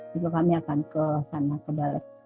juga kami akan ke sana ke dalam